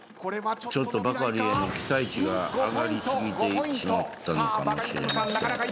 ちょっとバカリへの期待値が上がり過ぎてしまったのかもしれません。